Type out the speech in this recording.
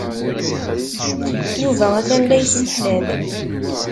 Yuba atan la yesseflad.